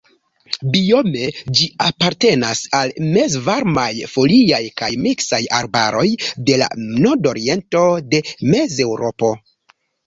Biome ĝi apartenas al mezvarmaj foliaj kaj miksaj arbaroj de la nordoriento de Mezeŭropo.